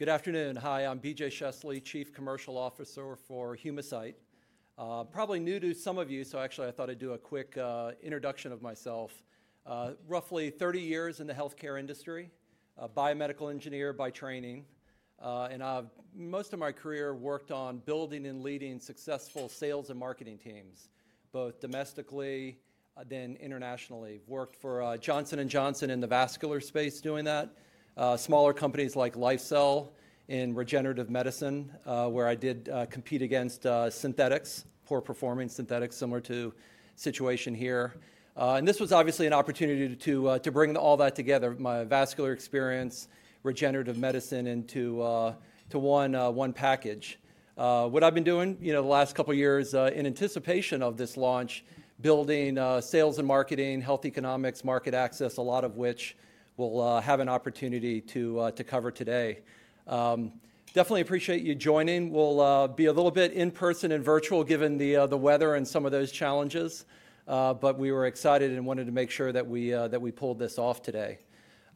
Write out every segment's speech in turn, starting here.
Good afternoon. Hi, I'm BJ Scheessele, Chief Commercial Officer for Humacyte. Probably new to some of you, so actually I thought I'd do a quick introduction of myself. Roughly 30 years in the healthcare industry, biomedical engineer by training, and I've most of my career worked on building and leading successful sales and marketing teams, both domestically and then internationally. Worked for Johnson & Johnson in the vascular space doing that, smaller companies like LifeCell in regenerative medicine, where I did compete against synthetics, poor-performing synthetics, similar to the situation here. This was obviously an opportunity to bring all that together, my vascular experience, regenerative medicine into one package. What I've been doing the last couple of years in anticipation of this launch, building sales and marketing, health economics, market access, a lot of which we'll have an opportunity to cover today. Definitely appreciate you joining. We'll be a little bit in person and virtual given the weather and some of those challenges, but we were excited and wanted to make sure that we pulled this off today.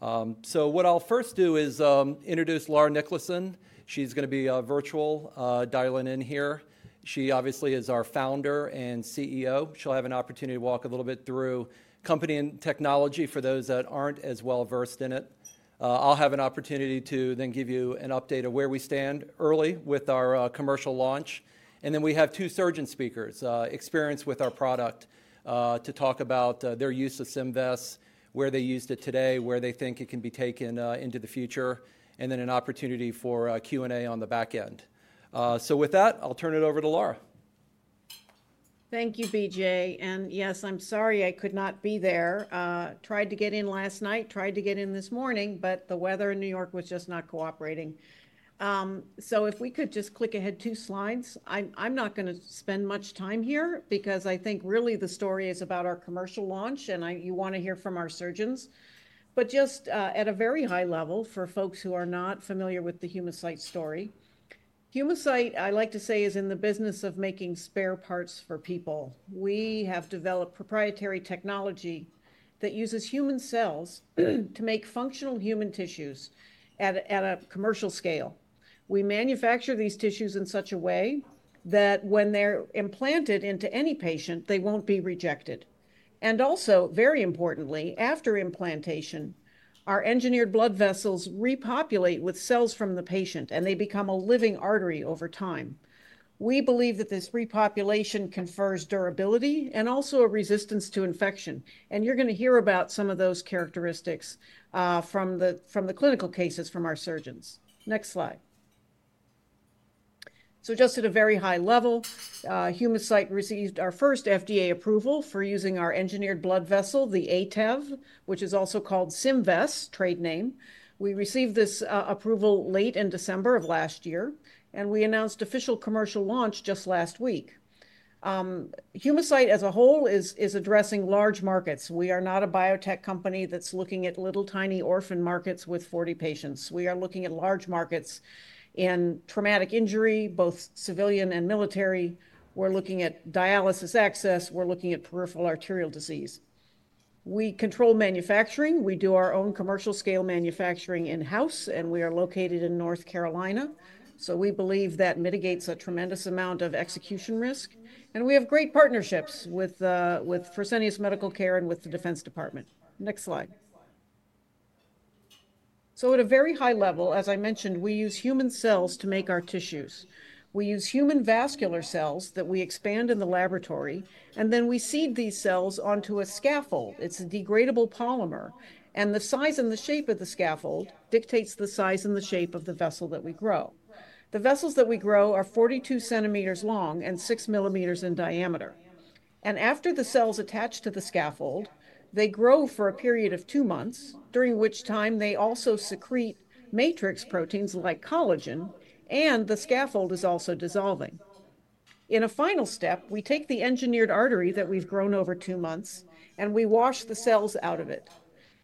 What I'll first do is introduce Laura Niklason. She's going to be virtual dialing in here. She obviously is our founder and CEO. She'll have an opportunity to walk a little bit through company and technology for those that aren't as well-versed in it. I'll have an opportunity to then give you an update of where we stand early with our commercial launch. We have two surgeon speakers, experienced with our product, to talk about their use of Symvess, where they use it today, where they think it can be taken into the future, and then an opportunity for Q&A on the back end. With that, I'll turn it over to Laura. Thank you, BJ. Yes, I'm sorry I could not be there. Tried to get in last night, tried to get in this morning, but the weather in New York was just not cooperating. If we could just click ahead two slides. I'm not going to spend much time here because I think really the story is about our commercial launch and you want to hear from our surgeons. Just at a very high level for folks who are not familiar with the Humacyte story, Humacyte, I like to say, is in the business of making spare parts for people. We have developed proprietary technology that uses human cells to make functional human tissues at a commercial scale. We manufacture these tissues in such a way that when they're implanted into any patient, they won't be rejected. Also, very importantly, after implantation, our engineered blood vessels repopulate with cells from the patient and they become a living artery over time. We believe that this repopulation confers durability and also a resistance to infection. You're going to hear about some of those characteristics from the clinical cases from our surgeons. Next slide. At a very high level, Humacyte received our first FDA approval for using our engineered blood vessel, the ATEV, which is also called Symvess, trade name. We received this approval late in December of last year and we announced official commercial launch just last week. Humacyte as a whole is addressing large markets. We are not a biotech company that's looking at little tiny orphan markets with 40 patients. We are looking at large markets in traumatic injury, both civilian and military. We're looking at dialysis access. We're looking at Peripheral Arterial Disease. We control manufacturing. We do our own commercial scale manufacturing in-house and we are located in North Carolina. We believe that mitigates a tremendous amount of execution risk. We have great partnerships with Fresenius Medical Care and with the Defense Department. Next slide. At a very high level, as I mentioned, we use human cells to make our tissues. We use human vascular cells that we expand in the laboratory and then we seed these cells onto a scaffold. It's a degradable polymer and the size and the shape of the scaffold dictates the size and the shape of the vessel that we grow. The vessels that we grow are 42 cm long and 6 mm in diameter. After the cells attach to the scaffold, they grow for a period of two months, during which time they also secrete matrix proteins like collagen and the scaffold is also dissolving. In a final step, we take the engineered artery that we've grown over two months and we wash the cells out of it.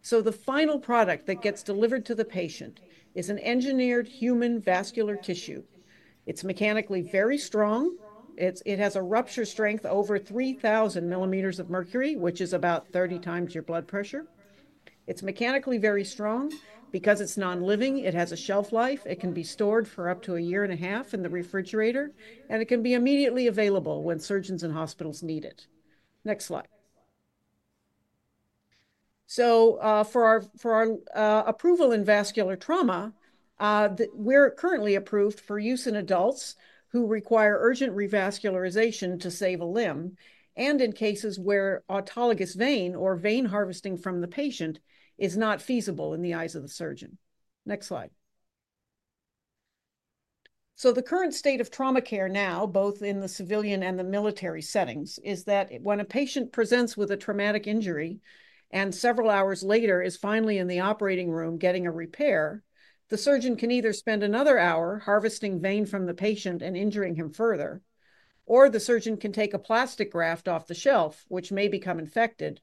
The final product that gets delivered to the patient is an engineered human vascular tissue. It's mechanically very strong. It has a rupture strength over 3,000 mmHg, which is about 30 times your blood pressure. It's mechanically very strong because it's non-living. It has a shelf life. It can be stored for up to a year and a half in the refrigerator and it can be immediately available when surgeons and hospitals need it. Next slide. For our approval in vascular trauma, we're currently approved for use in adults who require urgent revascularization to save a limb and in cases where autologous vein or vein harvesting from the patient is not feasible in the eyes of the surgeon. Next slide. The current state of trauma care now, both in the civilian and the military settings, is that when a patient presents with a traumatic injury and several hours later is finally in the operating room getting a repair, the surgeon can either spend another hour harvesting vein from the patient and injuring him further, or the surgeon can take a plastic graft off the shelf, which may become infected,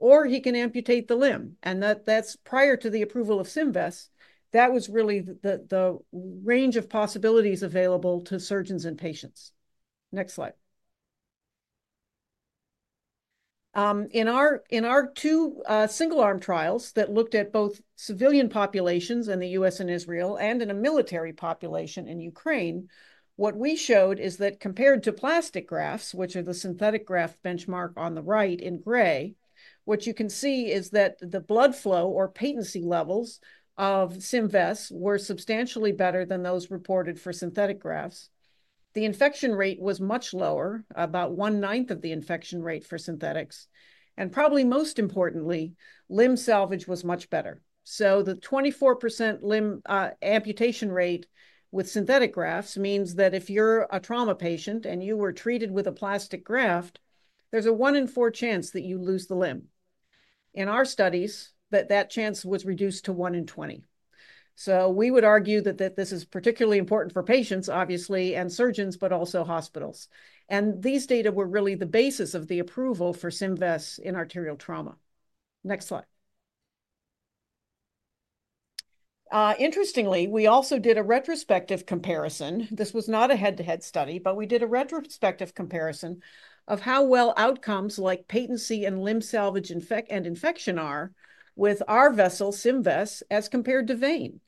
or he can amputate the limb. That's prior to the approval of Symvess. That was really the range of possibilities available to surgeons and patients. Next slide. In our two single-arm trials that looked at both civilian populations in the U.S. and Israel and in a military population in Ukraine, what we showed is that compared to plastic grafts, which are the synthetic graft benchmark on the right in gray, what you can see is that the blood flow or patency levels of Symvess were substantially better than those reported for synthetic grafts. The infection rate was much lower, about one-ninth of the infection rate for synthetics. Probably most importantly, limb salvage was much better. The 24% limb amputation rate with synthetic grafts means that if you're a trauma patient and you were treated with a plastic graft, there's a one in four chance that you lose the limb. In our studies, that chance was reduced to one in 20. We would argue that this is particularly important for patients, obviously, and surgeons, but also hospitals. These data were really the basis of the approval for Symvess in arterial trauma. Next slide. Interestingly, we also did a retrospective comparison. This was not a head-to-head study, but we did a retrospective comparison of how well outcomes like patency and limb salvage and infection are with our vessel, Symvess, as compared to vein.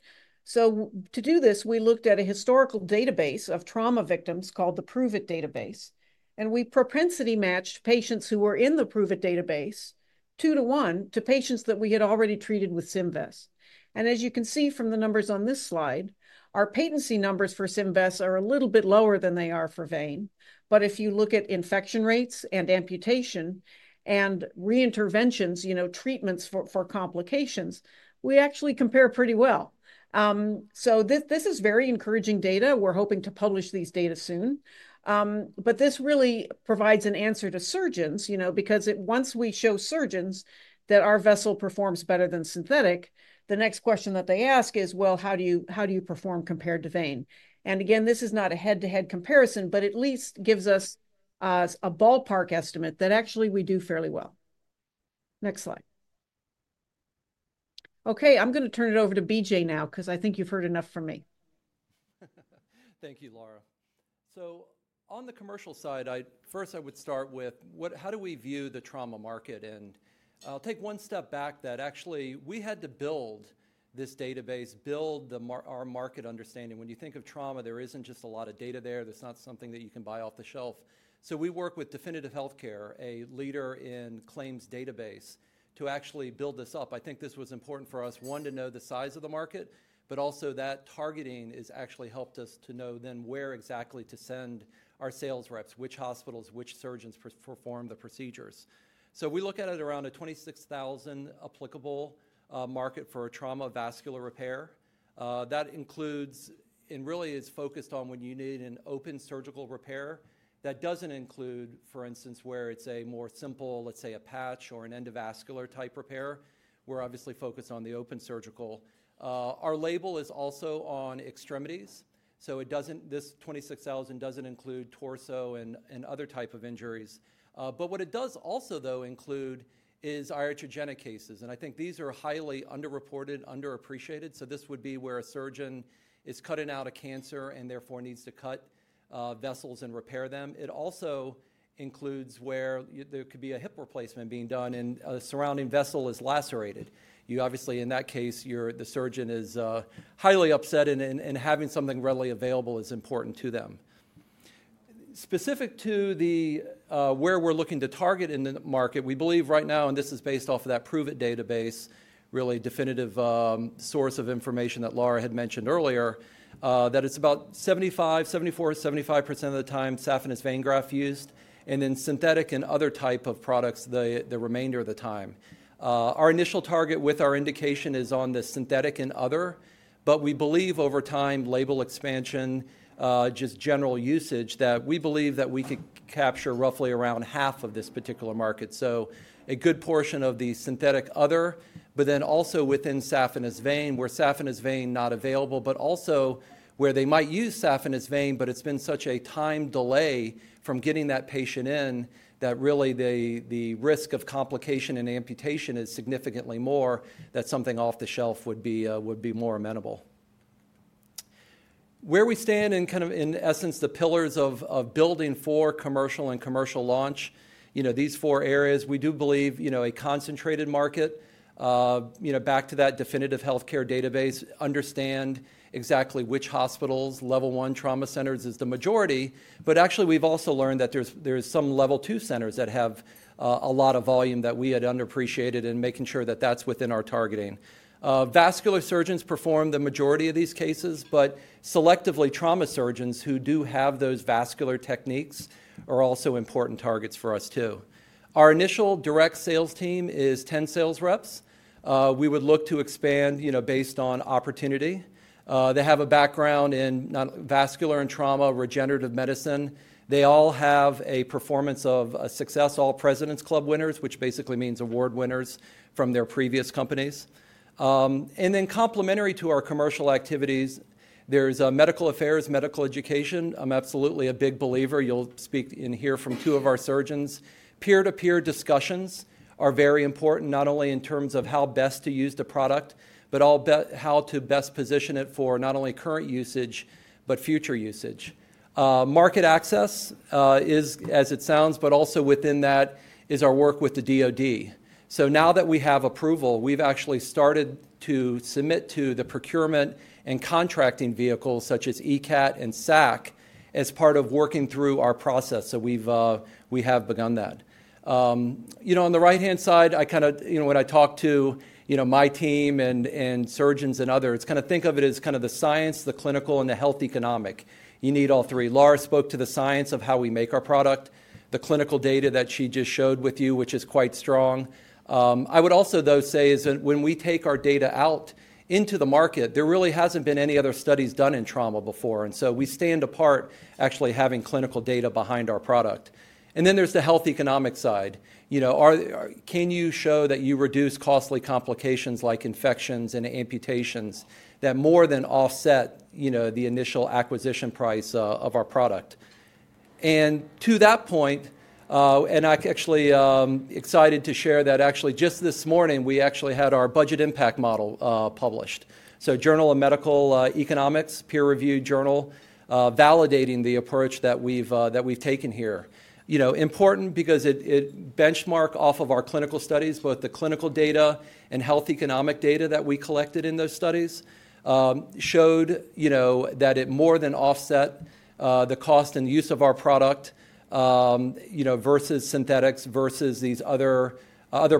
To do this, we looked at a historical database of trauma victims called the PROOVIT database. We propensity matched patients who were in the PROOVIT database two to one to patients that we had already treated with Symvess. As you can see from the numbers on this slide, our patency numbers for Symvess are a little bit lower than they are for vein. If you look at infection rates and amputation and reinterventions, you know, treatments for complications, we actually compare pretty well. This is very encouraging data. We're hoping to publish these data soon. This really provides an answer to surgeons, you know, because once we show surgeons that our vessel performs better than synthetic, the next question that they ask is, how do you perform compared to vein? Again, this is not a head-to-head comparison, but at least gives us a ballpark estimate that actually we do fairly well. Next slide. Okay, I'm going to turn it over to BJ now because I think you've heard enough from me. Thank you, Laura. On the commercial side, first I would start with how do we view the trauma market? I will take one step back that actually we had to build this database, build our market understanding. When you think of trauma, there is not just a lot of data there. There is not something that you can buy off the shelf. We work with Definitive Healthcare, a leader in claims database, to actually build this up. I think this was important for us, one, to know the size of the market, but also that targeting has actually helped us to know then where exactly to send our sales reps, which hospitals, which surgeons perform the procedures. We look at it around a 26,000 applicable market for trauma vascular repair. That includes and really is focused on when you need an open surgical repair. That does not include, for instance, where it is a more simple, let's say a patch or an endovascular type repair. We are obviously focused on the open surgical. Our label is also on extremities. This 26,000 does not include torso and other types of injuries. What it does also include is iatrogenic cases. I think these are highly underreported, underappreciated. This would be where a surgeon is cutting out a cancer and therefore needs to cut vessels and repair them. It also includes where there could be a hip replacement being done and a surrounding vessel is lacerated. You obviously, in that case, the surgeon is highly upset and having something readily available is important to them. Specific to where we're looking to target in the market, we believe right now, and this is based off of that PROOVIT database, really definitive source of information that Laura had mentioned earlier, that it's about 74-75% of the time saphenous vein graft used and then synthetic and other type of products the remainder of the time. Our initial target with our indication is on the synthetic and other, but we believe over time label expansion, just general usage, that we believe that we could capture roughly around half of this particular market. A good portion of the synthetic other, but then also within saphenous vein where saphenous vein is not available, but also where they might use saphenous vein, but it's been such a time delay from getting that patient in that really the risk of complication and amputation is significantly more, that something off the shelf would be more amenable. Where we stand in kind of, in essence, the pillars of building for commercial and commercial launch, you know, these four areas, we do believe, you know, a concentrated market, you know, back to that Definitive Healthcare database, understand exactly which hospitals, Level I trauma centers is the majority, but actually we've also learned that there's some Level II centers that have a lot of volume that we had underappreciated and making sure that that's within our targeting. Vascular surgeons perform the majority of these cases, but selectively trauma surgeons who do have those vascular techniques are also important targets for us too. Our initial direct sales team is 10 sales reps. We would look to expand, you know, based on opportunity. They have a background in vascular and trauma, regenerative medicine. They all have a performance of success, all President's Club winners, which basically means award winners from their previous companies. Complementary to our commercial activities, there's medical affairs, medical education. I'm absolutely a big believer. You'll speak and hear from two of our surgeons. Peer-to-peer discussions are very important, not only in terms of how best to use the product, but how to best position it for not only current usage, but future usage. Market access is, as it sounds, but also within that is our work with the DOD. Now that we have approval, we've actually started to submit to the procurement and contracting vehicles such as ECAT and SAC as part of working through our process. We have begun that. You know, on the right-hand side, I kind of, you know, when I talk to, you know, my team and surgeons and others, kind of think of it as kind of the science, the clinical, and the health economic. You need all three. Laura spoke to the science of how we make our product, the clinical data that she just showed with you, which is quite strong. I would also though say is that when we take our data out into the market, there really hasn't been any other studies done in trauma before. We stand apart actually having clinical data behind our product. Then there's the health economic side. You know, can you show that you reduce costly complications like infections and amputations that more than offset, you know, the initial acquisition price of our product? To that point, I'm actually excited to share that actually just this morning, we actually had our budget impact model published. Journal of Medical Economics, peer-reviewed journal, validating the approach that we've taken here. You know, important because it benchmarked off of our clinical studies, both the clinical data and health economic data that we collected in those studies showed, you know, that it more than offset the cost and use of our product, you know, versus synthetics, versus these other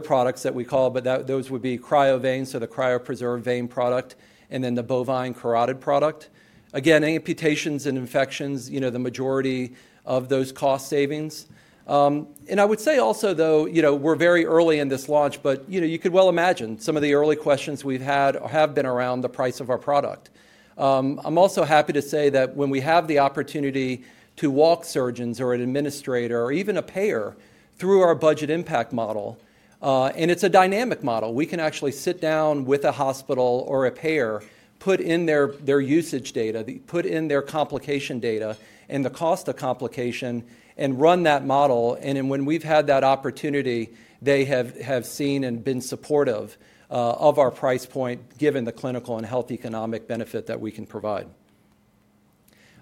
products that we call, but those would be cryo vein, so the cryopreserved vein product, and then the bovine carotid product. Again, amputations and infections, you know, the majority of those cost savings. I would say also though, you know, we're very early in this launch, but you know, you could well imagine some of the early questions we've had have been around the price of our product. I'm also happy to say that when we have the opportunity to walk surgeons or an administrator or even a payer through our budget impact model, and it's a dynamic model, we can actually sit down with a hospital or a payer, put in their usage data, put in their complication data and the cost of complication and run that model. When we've had that opportunity, they have seen and been supportive of our price point given the clinical and health economic benefit that we can provide.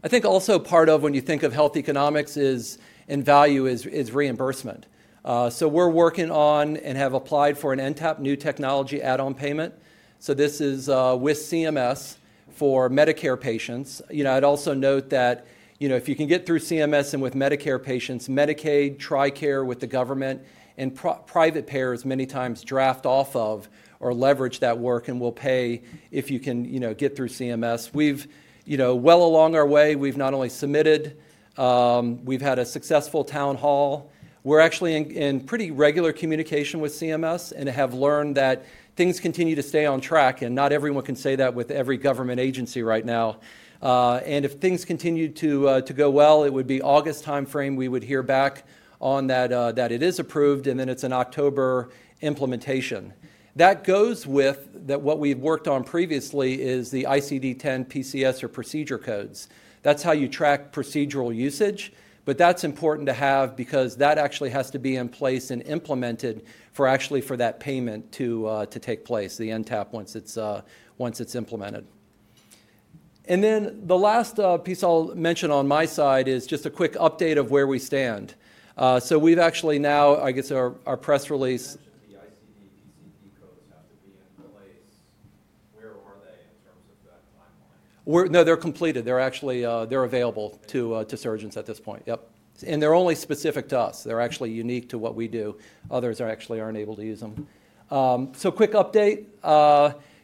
I think also part of when you think of health economics and value is reimbursement. We're working on and have applied for an NTAP New Technology Add-On Payment. This is with CMS for Medicare patients. You know, I'd also note that, you know, if you can get through CMS and with Medicare patients, Medicaid, Tricare with the government and private payers many times draft off of or leverage that work and will pay if you can, you know, get through CMS. We've, you know, well along our way, we've not only submitted, we've had a successful town hall. We're actually in pretty regular communication with CMS and have learned that things continue to stay on track. Not everyone can say that with every government agency right now. If things continue to go well, it would be August timeframe we would hear back on that it is approved and then it's an October implementation. That goes with that what we've worked on previously is the ICD-10-PCS or procedure codes. That's how you track procedural usage, but that's important to have because that actually has to be in place and implemented for actually for that payment to take place, the NTAP once it's implemented. The last piece I'll mention on my side is just a quick update of where we stand. We've actually now, I guess our press release. The ICD-10-PCS codes have to be in place. Where are they in terms of that timeline? No, they're completed. They're actually, they're available to surgeons at this point. Yep. And they're only specific to us. They're actually unique to what we do. Others are actually unable to use them. So quick update,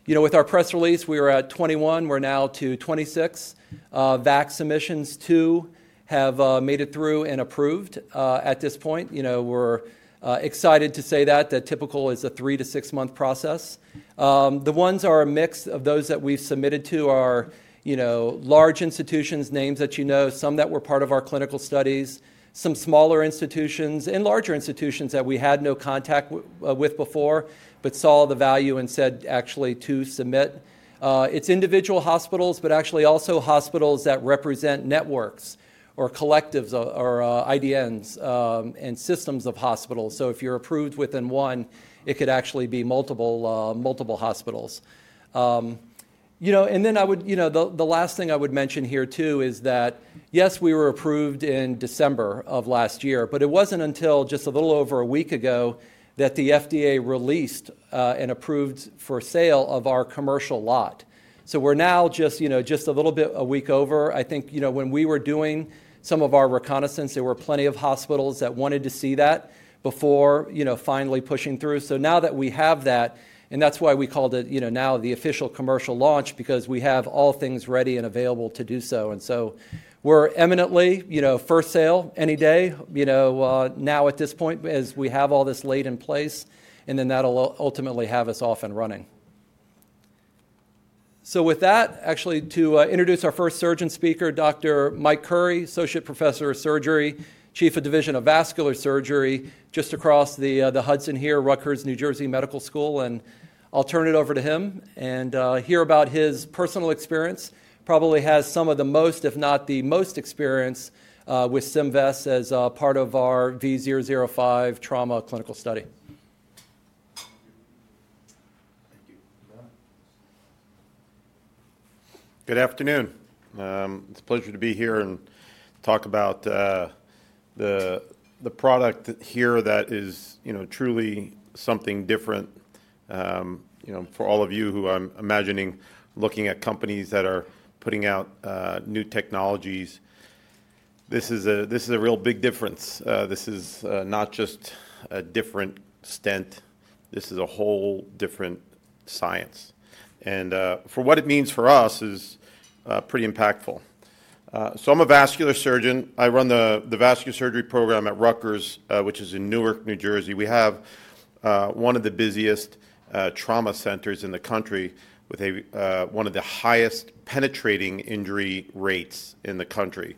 you know, with our press release, we were at 21, we're now to 26. VAC submissions, two have made it through and approved at this point. You know, we're excited to say that that typical is a three- to six-month process. The ones are a mix of those that we've submitted to are, you know, large institutions, names that you know, some that were part of our clinical studies, some smaller institutions and larger institutions that we had no contact with before, but saw the value and said actually to submit. It's individual hospitals, but actually also hospitals that represent networks or collectives or IDNs and systems of hospitals. If you're approved within one, it could actually be multiple hospitals. You know, the last thing I would mention here too is that yes, we were approved in December of last year, but it wasn't until just a little over a week ago that the FDA released and approved for sale of our commercial lot. We're now just, you know, just a little bit a week over. I think, you know, when we were doing some of our reconnaissance, there were plenty of hospitals that wanted to see that before, you know, finally pushing through. Now that we have that, and that's why we called it, you know, now the official commercial launch because we have all things ready and available to do so. We're eminently, you know, first sale any day, you know, now at this point as we have all this laid in place and then that'll ultimately have us off and running. With that, actually to introduce our first surgeon speaker, Dr. Mike Curry, Associate Professor of Surgery, Chief of Division of Vascular Surgery, just across the Hudson here, Rutgers, New Jersey Medical School. I'll turn it over to him and hear about his personal experience. Probably has some of the most, if not the most experience with Symvess as part of our V005 trauma clinical study. Thank you. Good afternoon. It's a pleasure to be here and talk about the product here that is, you know, truly something different, you know, for all of you who I'm imagining looking at companies that are putting out new technologies. This is a real big difference. This is not just a different stent. This is a whole different science. For what it means for us is pretty impactful. I am a vascular surgeon. I run the vascular surgery program at Rutgers, which is in Newark, New Jersey. We have one of the busiest trauma centers in the country with one of the highest penetrating injury rates in the country.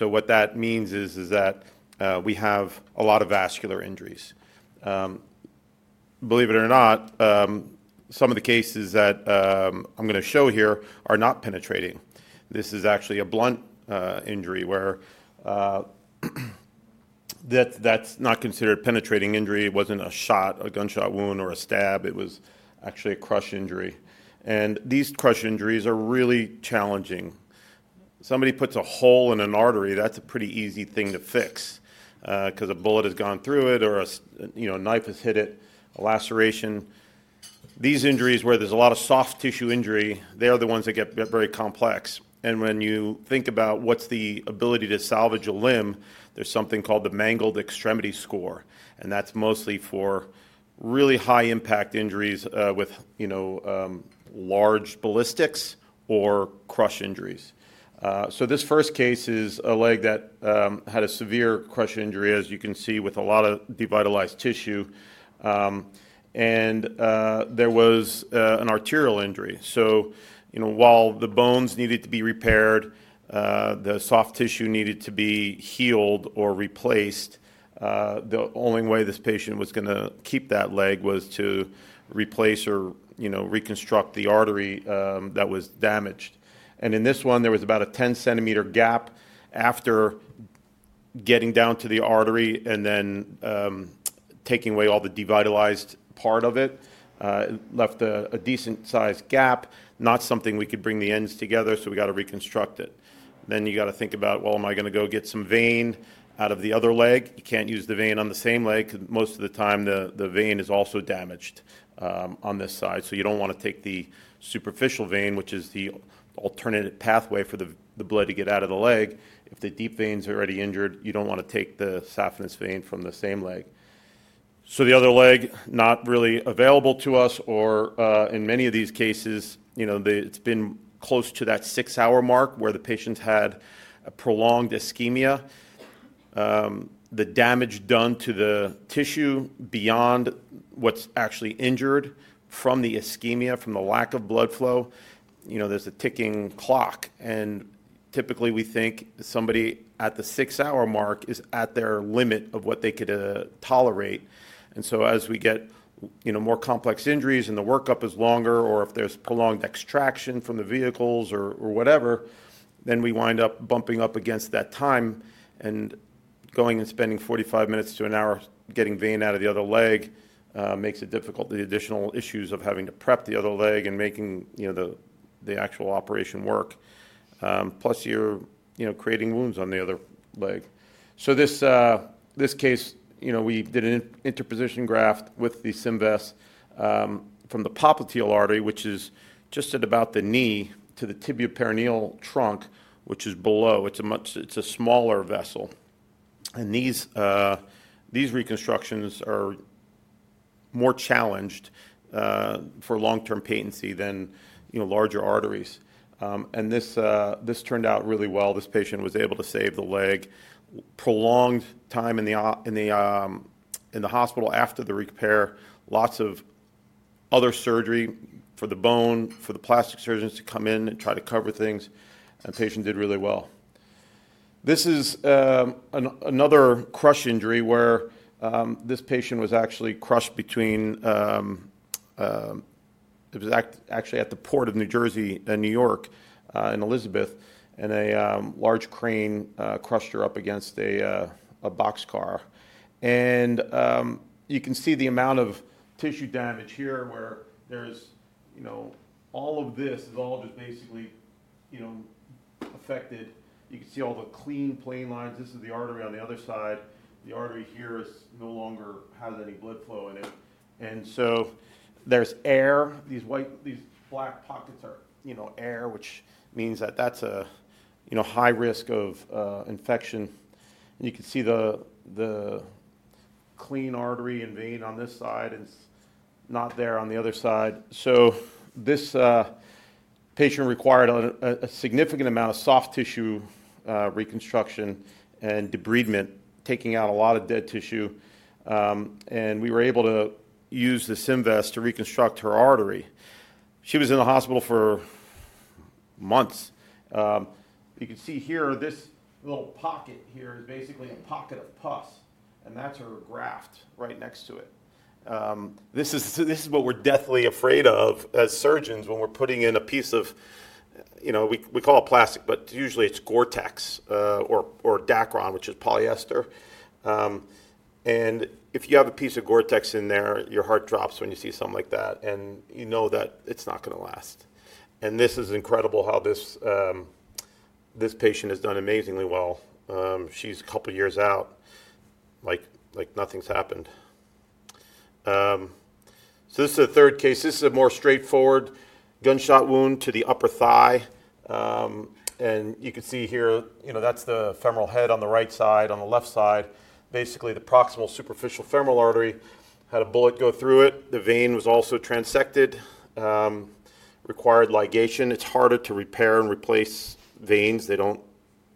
What that means is that we have a lot of vascular injuries. Believe it or not, some of the cases that I'm going to show here are not penetrating. This is actually a blunt injury where that's not considered penetrating injury. It wasn't a shot, a gunshot wound or a stab. It was actually a crush injury. And these crush injuries are really challenging. Somebody puts a hole in an artery, that's a pretty easy thing to fix because a bullet has gone through it or a, you know, knife has hit it, a laceration. These injuries where there's a lot of soft tissue injury, they're the ones that get very complex. When you think about what's the ability to salvage a limb, there's something called the mangled extremity score. That's mostly for really high impact injuries with, you know, large ballistics or crush injuries. This first case is a leg that had a severe crush injury, as you can see, with a lot of devitalized tissue. There was an arterial injury. You know, while the bones needed to be repaired, the soft tissue needed to be healed or replaced, the only way this patient was going to keep that leg was to replace or, you know, reconstruct the artery that was damaged. In this one, there was about a 10 cm gap after getting down to the artery and then taking away all the devitalized part of it. It left a decent size gap, not something we could bring the ends together, so we got to reconstruct it. You got to think about, well, am I going to go get some vein out of the other leg? You can't use the vein on the same leg because most of the time the vein is also damaged on this side. You don't want to take the superficial vein, which is the alternative pathway for the blood to get out of the leg. If the deep veins are already injured, you don't want to take the saphenous vein from the same leg. The other leg, not really available to us or in many of these cases, you know, it's been close to that six-hour mark where the patient had a prolonged ischemia. The damage done to the tissue beyond what's actually injured from the ischemia, from the lack of blood flow, you know, there's a ticking clock. Typically we think somebody at the six-hour mark is at their limit of what they could tolerate. As we get, you know, more complex injuries and the workup is longer or if there's prolonged extraction from the vehicles or whatever, we wind up bumping up against that time and going and spending 45 minutes to an hour getting vein out of the other leg makes it difficult, the additional issues of having to prep the other leg and making, you know, the actual operation work. Plus you're, you know, creating wounds on the other leg. So this case, you know, we did an interposition graft with the Symvess from the popliteal artery, which is just at about the knee to the tibioperoneal trunk, which is below. It's a smaller vessel. And these reconstructions are more challenged for long-term patency than, you know, larger arteries. And this turned out really well. This patient was able to save the leg. Prolonged time in the hospital after the repair, lots of other surgery for the bone, for the plastic surgeons to come in and try to cover things. The patient did really well. This is another crush injury where this patient was actually crushed between, it was actually at the Port of New Jersey, New York in Elizabeth, and a large crane crushed her up against a box car. You can see the amount of tissue damage here where there's, you know, all of this is all just basically, you know, affected. You can see all the clean plane lines. This is the artery on the other side. The artery here no longer has any blood flow in it. There is air. These black pockets are, you know, air, which means that that's a, you know, high risk of infection. You can see the clean artery and vein on this side and not there on the other side. This patient required a significant amount of soft tissue reconstruction and debridement, taking out a lot of dead tissue. We were able to use the Symvess to reconstruct her artery. She was in the hospital for months. You can see here, this little pocket here is basically a pocket of pus and that's her graft right next to it. This is what we're deathly afraid of as surgeons when we're putting in a piece of, you know, we call it plastic, but usually it's GORE-TEX or Dacron, which is polyester. If you have a piece of GORE-TEX in there, your heart drops when you see something like that and you know that it's not going to last. This is incredible how this patient has done amazingly well. She's a couple of years out, like nothing's happened. This is the third case. This is a more straightforward gunshot wound to the upper thigh. You can see here, you know, that's the femoral head on the right side. On the left side, basically the proximal superficial femoral artery had a bullet go through it. The vein was also transected, required ligation. It's harder to repair and replace veins. They don't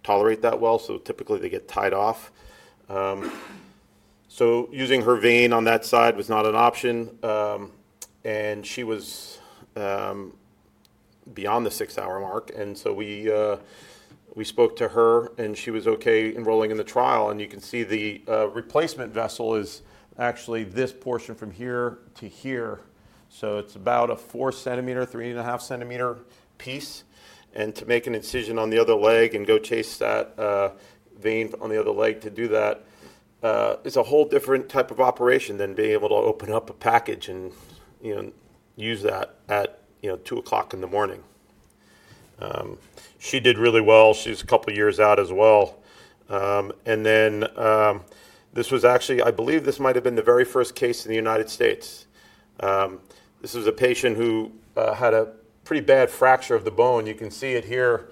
tolerate that well. Typically they get tied off. Using her vein on that side was not an option. She was beyond the six-hour mark. We spoke to her and she was okay enrolling in the trial. You can see the replacement vessel is actually this portion from here to here. It's about a 4 cm, 3.5 cm piece. To make an incision on the other leg and go chase that vein on the other leg to do that is a whole different type of operation than being able to open up a package and, you know, use that at, you know, 2:00 A.M. She did really well. She was a couple of years out as well. This was actually, I believe this might have been the very first case in the United States. This was a patient who had a pretty bad fracture of the bone. You can see it here.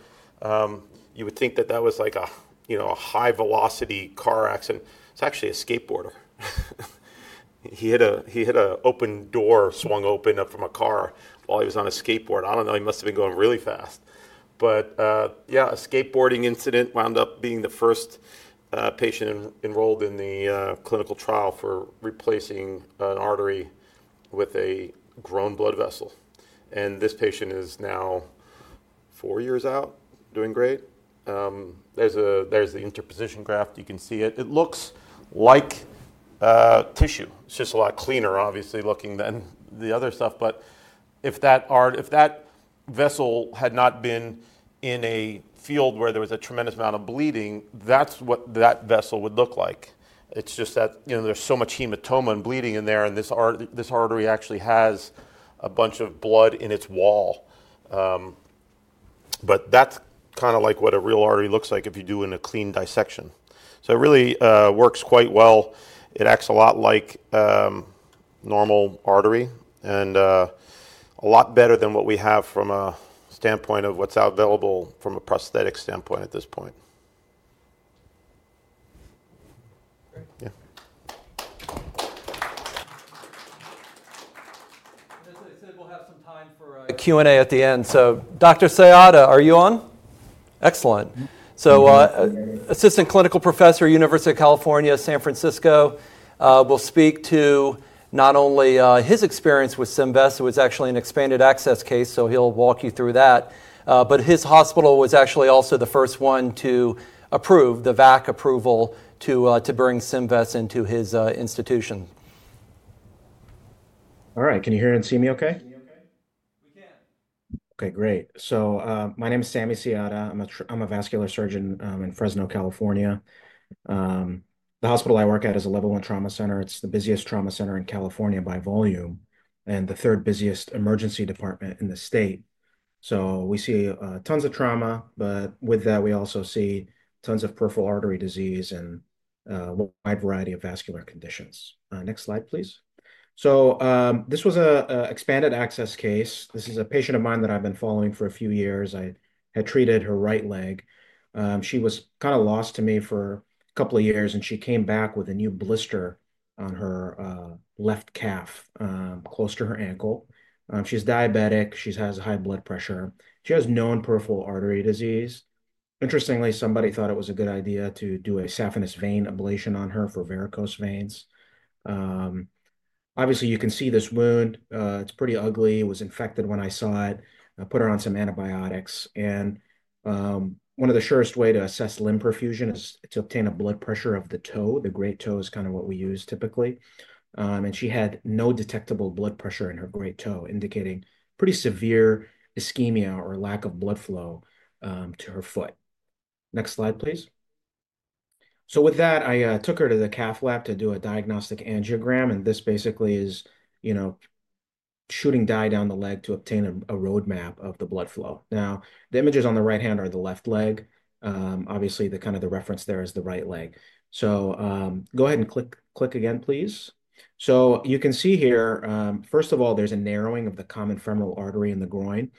You would think that that was like a, you know, a high velocity car accident. It is actually a skateboarder. He had an open door swung open up from a car while he was on a skateboard. I do not know. He must have been going really fast. Yeah, a skateboarding incident wound up being the first patient enrolled in the clinical trial for replacing an artery with a grown blood vessel. And this patient is now four years out, doing great. There's the interposition graft. You can see it. It looks like tissue. It's just a lot cleaner, obviously, looking than the other stuff. If that vessel had not been in a field where there was a tremendous amount of bleeding, that's what that vessel would look like. It's just that, you know, there's so much hematoma and bleeding in there and this artery actually has a bunch of blood in its wall. That's kind of like what a real artery looks like if you do in a clean dissection. It really works quite well. It acts a lot like normal artery and a lot better than what we have from a standpoint of what's available from a prosthetic standpoint at this point. Yeah. I said we'll have some time for a Q&A at the end. Dr. Siada, are you on? Excellent. Assistant Clinical Professor, University of California, San Francisco, will speak to not only his experience with Symvess, it was actually an expanded access case, so he'll walk you through that, but his hospital was actually also the first one to approve the VAC approval to bring Symvess into his institution. All right. Can you hear and see me okay? We can. Okay, great. My name is Sammy Siada. I'm a vascular surgeon in Fresno, California. The hospital I work at is a Level I trauma center. It's the busiest trauma center in California by volume and the third busiest emergency department in the state. We see tons of trauma, but with that, we also see tons of Peripheral Artery Disease and a wide variety of vascular conditions. Next slide, please. This was an expanded access case. This is a patient of mine that I've been following for a few years. I had treated her right leg. She was kind of lost to me for a couple of years and she came back with a new blister on her left calf close to her ankle. She's diabetic. She has high blood pressure. She has known Peripheral Artery Disease. Interestingly, somebody thought it was a good idea to do a saphenous vein ablation on her for varicose veins. Obviously, you can see this wound. It's pretty ugly. It was infected when I saw it. I put her on some antibiotics. One of the surest ways to assess limb perfusion is to obtain a blood pressure of the toe. The great toe is kind of what we use typically. She had no detectable blood pressure in her great toe, indicating pretty severe ischemia or lack of blood flow to her foot. Next slide, please. With that, I took her to the cath lab to do a diagnostic angiogram. This basically is, you know, shooting dye down the leg to obtain a roadmap of the blood flow. The images on the right hand are the left leg. Obviously, the kind of the reference there is the right leg. Go ahead and click again, please. You can see here, first of all, there's a narrowing of the common femoral artery in the groin.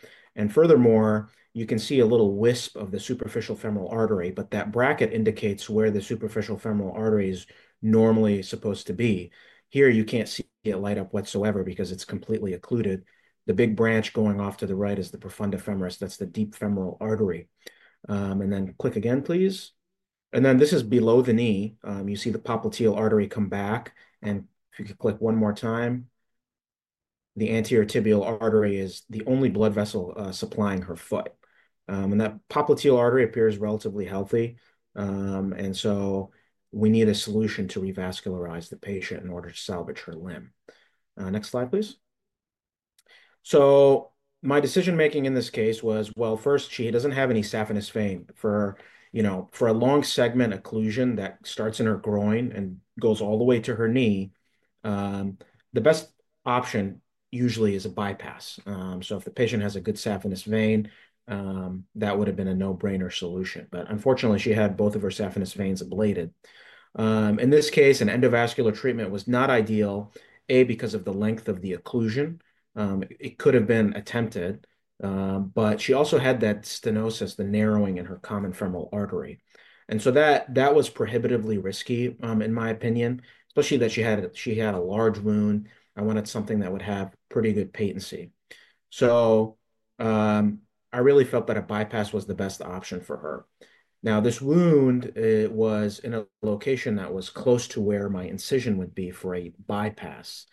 Furthermore, you can see a little wisp of the superficial femoral artery, but that bracket indicates where the superficial femoral artery is normally supposed to be. Here, you can't see it light up whatsoever because it's completely occluded. The big branch going off to the right is the profunda femoris. That's the deep femoral artery. Click again, please. This is below the knee. You see the popliteal artery come back. If you could click one more time, the anterior tibial artery is the only blood vessel supplying her foot. That popliteal artery appears relatively healthy. We need a solution to revascularize the patient in order to salvage her limb. Next slide, please. My decision-making in this case was, first, she does not have any saphenous vein for, you know, for a long segment occlusion that starts in her groin and goes all the way to her knee. The best option usually is a bypass. If the patient has a good saphenous vein, that would have been a no-brainer solution. Unfortunately, she had both of her saphenous veins ablated. In this case, an endovascular treatment was not ideal, A, because of the length of the occlusion. It could have been attempted, but she also had that stenosis, the narrowing in her common femoral artery. That was prohibitively risky, in my opinion, especially since she had a large wound. I wanted something that would have pretty good patency. I really felt that a bypass was the best option for her. Now, this wound was in a location that was close to where my incision would be for a bypass.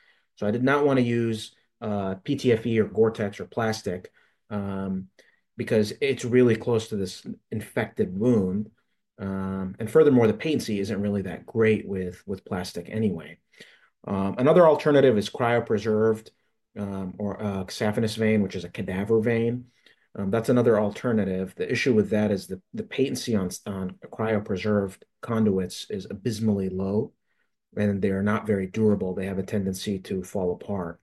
I did not want to use PTFE or GORE-TEX or plastic because it is really close to this infected wound. Furthermore, the patency is not really that great with plastic anyway. Another alternative is cryopreserved saphenous vein, which is a cadaver vein. That is another alternative. The issue with that is the patency on cryopreserved conduits is abysmally low and they are not very durable. They have a tendency to fall apart.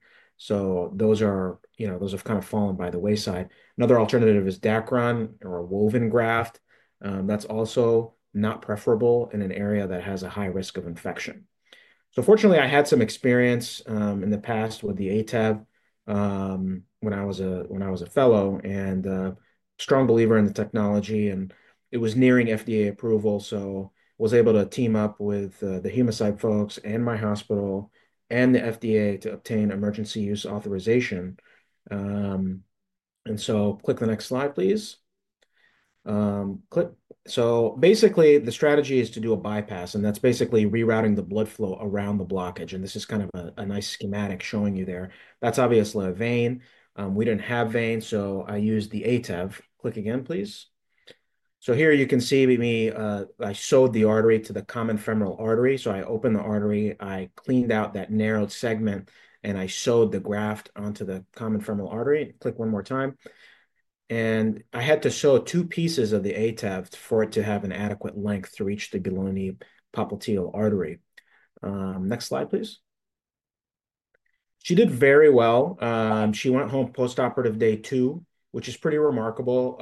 Those have kind of fallen by the wayside. Another alternative is Dacron or a woven graft. That is also not preferable in an area that has a high risk of infection. Fortunately, I had some experience in the past with the ATEV when I was a fellow and a strong believer in the technology. It was nearing FDA approval, so I was able to team up with the Humacyte folks and my hospital and the FDA to obtain Emergency Use Authorization. Click the next slide, please. Basically, the strategy is to do a bypass, and that's basically rerouting the blood flow around the blockage. This is kind of a nice schematic showing you there. That's obviously a vein. We did not have vein, so I used the ATEV. Click again, please. Here you can see me, I sewed the artery to the common femoral artery. I opened the artery, I cleaned out that narrowed segment, and I sewed the graft onto the common femoral artery. Click one more time. I had to sew two pieces of the ATEV for it to have an adequate length to reach the below-knee popliteal artery. Next slide, please. She did very well. She went home post-operative day two, which is pretty remarkable.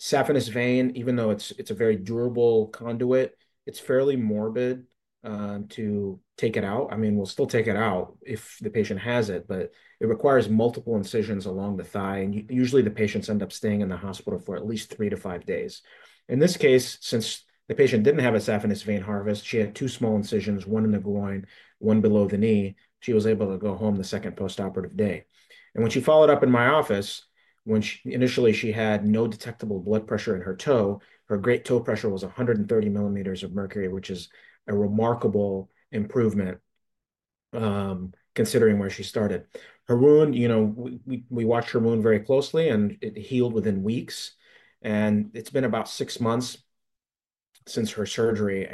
Saphenous vein, even though it's a very durable conduit, is fairly morbid to take out. I mean, we'll still take it out if the patient has it, but it requires multiple incisions along the thigh. Usually, the patients end up staying in the hospital for at least three to five days. In this case, since the patient did not have a saphenous vein harvest, she had two small incisions, one in the groin, one below the knee. She was able to go home the second post-operative day. When she followed up in my office, initially, she had no detectable blood pressure in her toe. Her great toe pressure was 130 mmHg, which is a remarkable improvement considering where she started. Her wound, you know, we watched her wound very closely and it healed within weeks. It's been about six months since her surgery.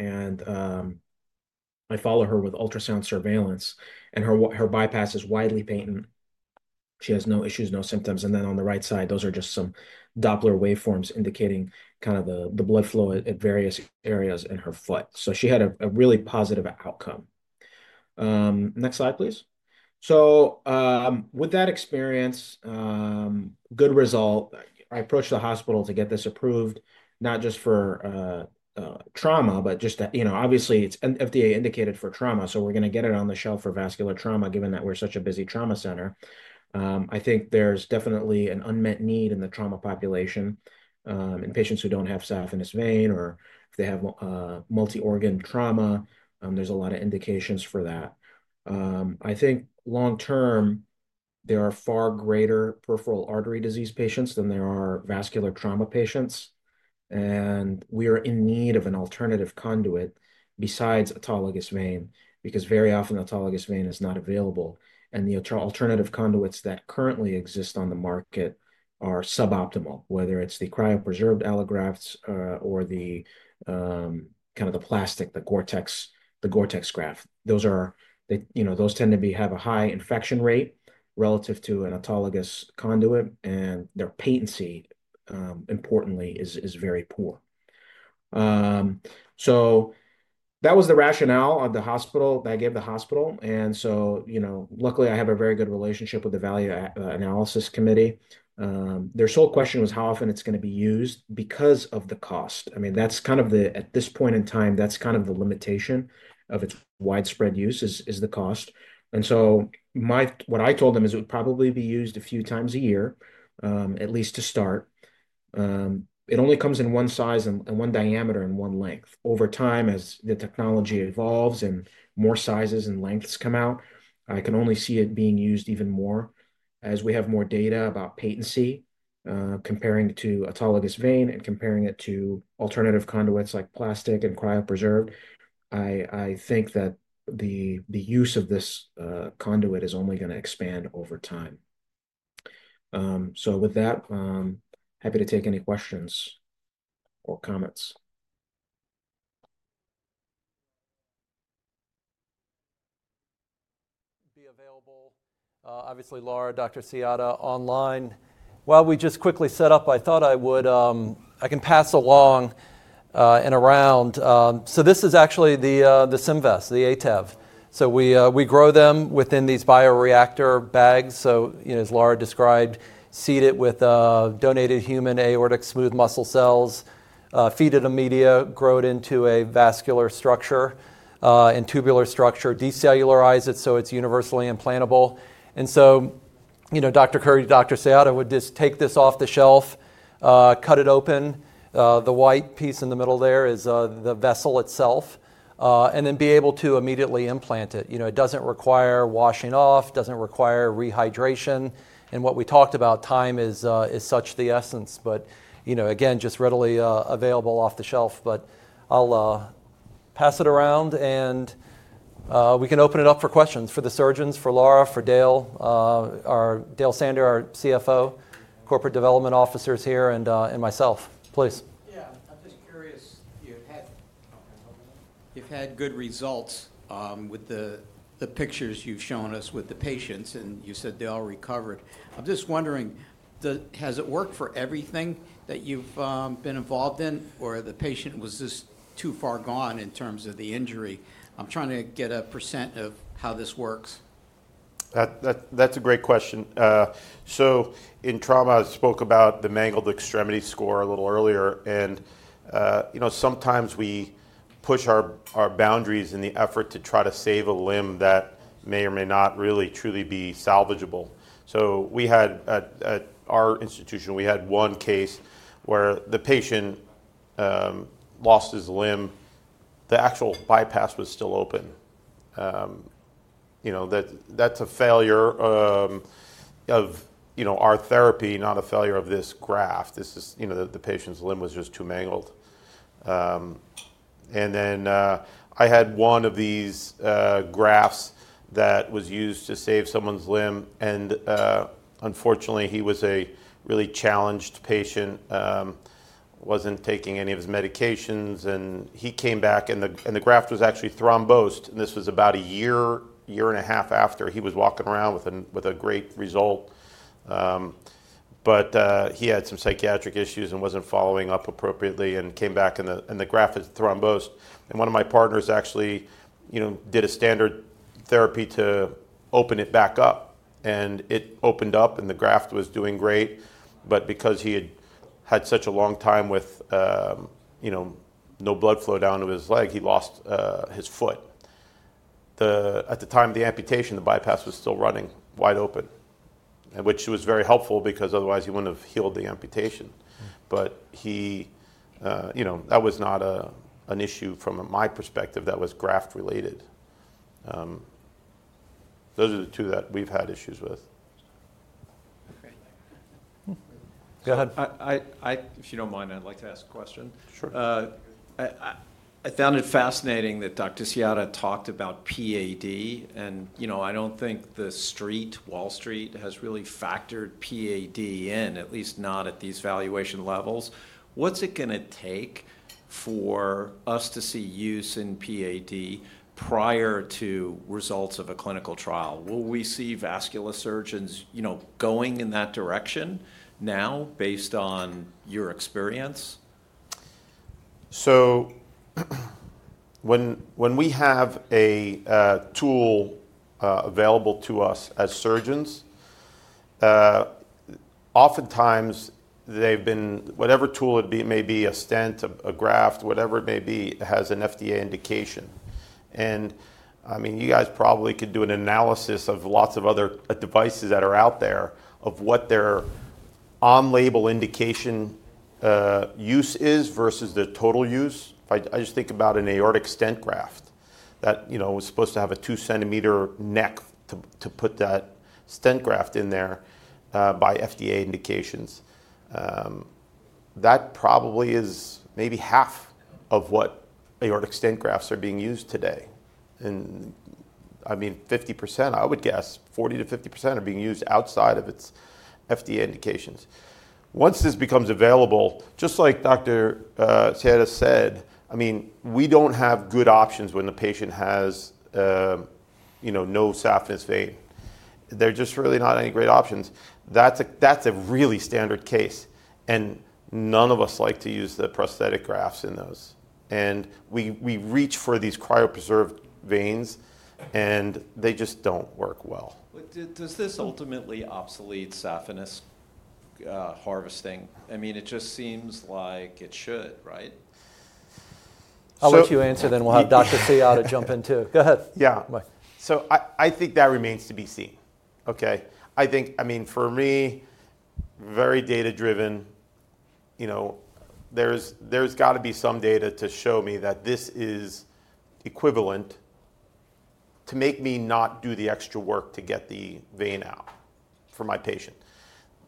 I follow her with ultrasound surveillance and her bypass is widely patent. She has no issues, no symptoms. On the right side, those are just some Doppler waveforms indicating kind of the blood flow at various areas in her foot. She had a really positive outcome. Next slide, please. With that experience, good result. I approached the hospital to get this approved, not just for trauma, but just that, you know, obviously, it's FDA indicated for trauma. We're going to get it on the shelf for vascular trauma, given that we're such a busy trauma center. I think there's definitely an unmet need in the trauma population in patients who don't have saphenous vein or if they have multi-organ trauma. There's a lot of indications for that. I think long-term, there are far greater Peripheral Artery Disease patients than there are vascular trauma patients. We are in need of an alternative conduit besides autologous vein because very often autologous vein is not available. The alternative conduits that currently exist on the market are suboptimal, whether it's the cryopreserved allografts or the kind of the plastic, the GORE-TEX graft. Those tend to have a high infection rate relative to an autologous conduit, and their patency, importantly, is very poor. That was the rationale of the hospital that I gave the hospital. Luckily, I have a very good relationship with the Value Analysis Committee. Their sole question was how often it's going to be used because of the cost. I mean, that's kind of the, at this point in time, that's kind of the limitation of its widespread use is the cost. And so what I told them is it would probably be used a few times a year, at least to start. It only comes in one size and one diameter and one length. Over time, as the technology evolves and more sizes and lengths come out, I can only see it being used even more as we have more data about patency comparing to autologous vein and comparing it to alternative conduits like plastic and cryopreserved. I think that the use of this conduit is only going to expand over time. With that, happy to take any questions or comments. Be available. Obviously, Laura, Dr. Siada are online. While we just quickly set up, I thought I would, I can pass along and around. This is actually the Symvess, the ATEV. We grow them within these bioreactor bags. As Laura described, seed it with donated human aortic smooth muscle cells, feed it a media, grow it into a vascular structure and tubular structure, decellularize it so it is universally implantable. Dr. Curry, Dr. Siada would just take this off the shelf, cut it open. The white piece in the middle there is the vessel itself, and then be able to immediately implant it. It does not require washing off, does not require rehydration. What we talked about, time is such the essence, but, you know, again, just readily available off the shelf. I'll pass it around and we can open it up for questions for the surgeons, for Laura, for Dale, our Chief Financial Officer and Corporate Development Officer, and myself, please. Yeah, I'm just curious. You've had good results with the pictures you've shown us with the patients, and you said they all recovered. I'm just wondering, has it worked for everything that you've been involved in, or the patient was just too far gone in terms of the injury? I'm trying to get a percent of how this works. That's a great question. In trauma, I spoke about the mangled extremity score a little earlier. You know, sometimes we push our boundaries in the effort to try to save a limb that may or may not really truly be salvageable. We had, at our institution, one case where the patient lost his limb. The actual bypass was still open. You know, that's a failure of, you know, our therapy, not a failure of this graft. This is, you know, the patient's limb was just too mangled. I had one of these grafts that was used to save someone's limb. Unfortunately, he was a really challenged patient, wasn't taking any of his medications. He came back and the graft was actually thrombosed. This was about a year, year and a half after he was walking around with a great result. He had some psychiatric issues and was not following up appropriately and came back and the graft had thrombosed. One of my partners actually, you know, did a standard therapy to open it back up. It opened up and the graft was doing great. Because he had had such a long time with, you know, no blood flow down to his leg, he lost his foot. At the time of the amputation, the bypass was still running wide open, which was very helpful because otherwise he would not have healed the amputation. That was not an issue from my perspective that was graft related. Those are the two that we have had issues with. Go ahead. If you don't mind, I'd like to ask a question. Sure. I found it fascinating that Dr. Siada talked about PAD. You know, I don't think the street, Wall Street, has really factored PAD in, at least not at these valuation levels. What's it going to take for us to see use in PAD prior to results of a clinical trial? Will we see vascular surgeons, you know, going in that direction now based on your experience? When we have a tool available to us as surgeons, oftentimes they've been, whatever tool it may be, a stent, a graft, whatever it may be, has an FDA indication. I mean, you guys probably could do an analysis of lots of other devices that are out there of what their on-label indication use is versus the total use. I just think about an aortic stent graft that, you know, was supposed to have a 2 cm neck to put that stent graft in there by FDA indications. That probably is maybe half of what aortic stent grafts are being used today. I mean, 50%, I would guess, 40-50% are being used outside of its FDA indications. Once this becomes available, just like Dr. Siada said, I mean, we do not have good options when the patient has, you know, no saphenous vein. They're just really not any great options. That's a really standard case. None of us like to use the prosthetic grafts in those. We reach for these Cryopreserved Veins and they just don't work well. Does this ultimately obsolete saphenous harvesting? I mean, it just seems like it should, right? I'll let you answer then we'll have Dr. Siada jump in too. Go ahead. Yeah. I think that remains to be seen. Okay. I think, I mean, for me, very data-driven, you know, there's got to be some data to show me that this is equivalent to make me not do the extra work to get the vein out for my patient.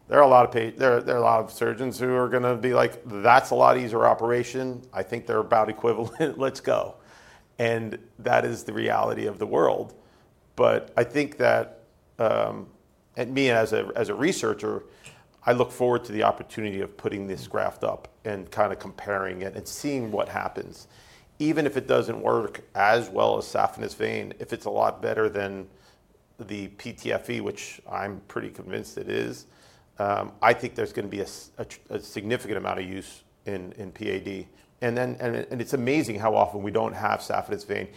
There are a lot of surgeons who are going to be like, "That's a lot easier operation. I think they're about equivalent. Let's go." That is the reality of the world. I think that, and me as a researcher, I look forward to the opportunity of putting this graft up and kind of comparing it and seeing what happens. Even if it doesn't work as well as saphenous vein, if it's a lot better than the PTFE, which I'm pretty convinced it is, I think there's going to be a significant amount of use in PAD. It's amazing how often we don't have saphenous vein.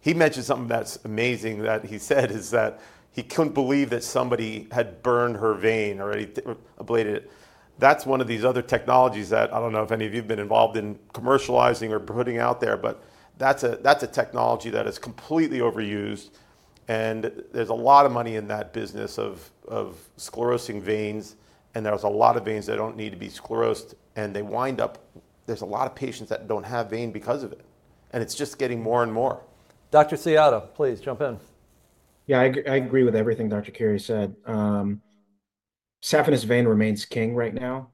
He mentioned something that's amazing that he said is that he couldn't believe that somebody had burned her vein or ablated it. That's one of these other technologies that I don't know if any of you have been involved in commercializing or putting out there, but that's a technology that is completely overused. There's a lot of money in that business of sclerosing veins. There's a lot of veins that don't need to be sclerosed. They wind up, there's a lot of patients that don't have vein because of it. It's just getting more and more. Dr. Siada, please jump in. Yeah, I agree with everything Dr. Curry said. Saphenous vein remains king right now.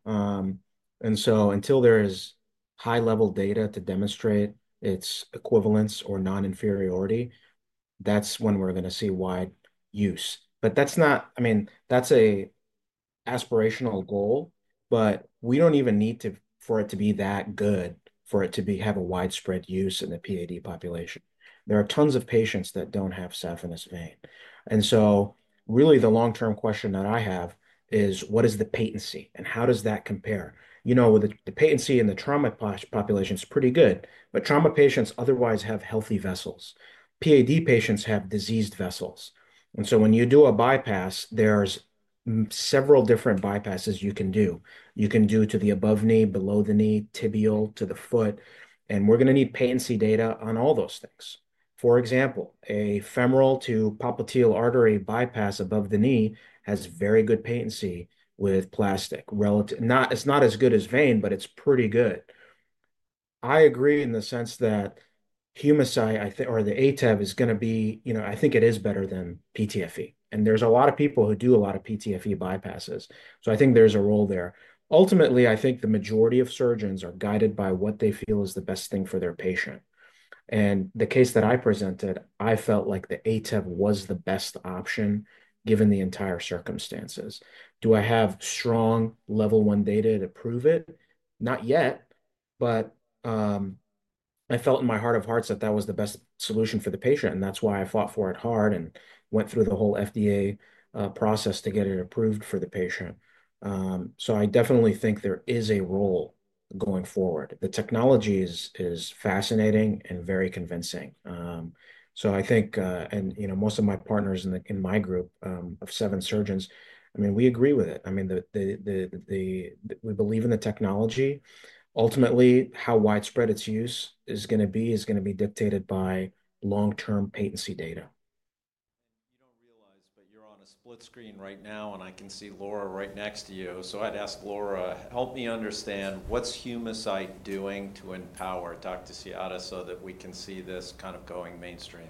Until there is high-level data to demonstrate its equivalence or non-inferiority, that's when we're going to see wide use. That's an aspirational goal, but we don't even need for it to be that good for it to have a widespread use in the PAD population. There are tons of patients that don't have saphenous vein. Really the long-term question that I have is what is the patency and how does that compare? You know, the patency in the trauma population is pretty good, but trauma patients otherwise have healthy vessels. PAD patients have diseased vessels. When you do a bypass, there's several different bypasses you can do. You can do to the above knee, below the knee, tibial, to the foot. We're going to need patency data on all those things. For example, a femoral to popliteal artery bypass above the knee has very good patency with plastic. It's not as good as vein, but it's pretty good. I agree in the sense that Humacyte, I think, or the ATEV is going to be, you know, I think it is better than PTFE. There are a lot of people who do a lot of PTFE bypasses. I think there's a role there. Ultimately, I think the majority of surgeons are guided by what they feel is the best thing for their patient. In the case that I presented, I felt like the ATEV was the best option given the entire circumstances. Do I have strong Level I data to prove it? Not yet, but I felt in my heart of hearts that that was the best solution for the patient. That's why I fought for it hard and went through the whole FDA process to get it approved for the patient. I definitely think there is a role going forward. The technology is fascinating and very convincing. I think, and you know, most of my partners in my group of seven surgeons, I mean, we agree with it. I mean, we believe in the technology. Ultimately, how widespread its use is going to be is going to be dictated by long-term patency data. You don't realize, but you're on a split screen right now, and I can see Laura right next to you. So I'd ask Laura, help me understand what's Humacyte doing to empower Dr. Siada so that we can see this kind of going mainstream.